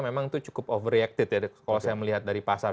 memang itu cukup overreacted ya kalau saya melihat dari pasar